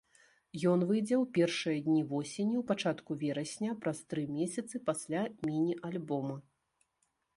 Ён выйдзе ў першыя дні восені, ў пачатку верасня, праз тры месяцы пасля міні-альбома.